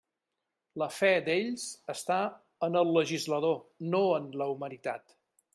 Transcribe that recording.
La fe d'ells està en el legislador, no en la humanitat.